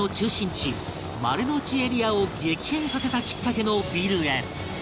丸の内エリアを激変させたきっかけのビルへ